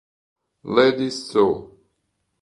Lady Saw